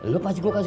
lo pasti gue kasih